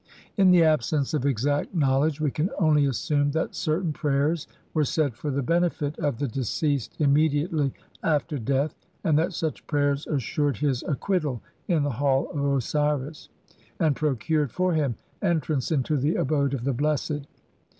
In the absence of exact knowledge we can only assume that certain prayers were said for the benefit of the deceased im mediately after death, and that such prayers assured his acquittal in the Hall of Osiris, and procured for him entrance into the abode of the blessed.